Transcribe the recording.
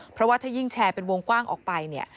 เพราะว่าถ้ายิ่งแชร์เป็นวงกว้างออกไปเนี่ย